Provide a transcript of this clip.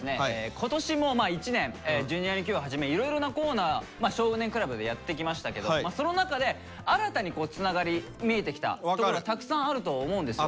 今年も一年「Ｊｒ．にＱ」をはじめいろいろなコーナー「少年倶楽部」でやってきましたけどその中で新たにつながり見えてきたところがたくさんあると思うんですよ。